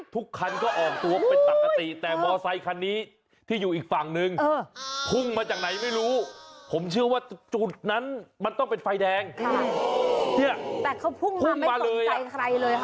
ทุกขั้นนักจะตอบเบาะตเหะตาหมวดโเรเบิ้ล